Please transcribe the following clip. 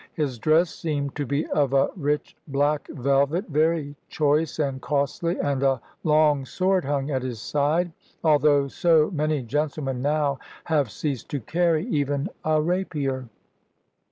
His dress seemed to be of a rich black velvet, very choice and costly, and a long sword hung at his side, although so many gentlemen now have ceased to carry even a rapier.